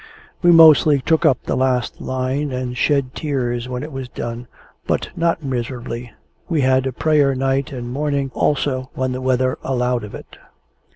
We mostly took up the last line, and shed tears when it was done, but not miserably. We had a prayer night and morning, also, when the weather allowed of it.